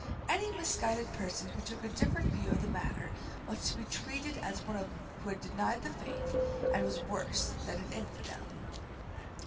Any misguided person who took a different view of the matter was to be treated as one who had denied the faith, and was worse than an infidel.